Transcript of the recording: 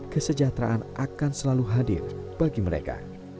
kesejahteraan akan selalu hadir bagi mereka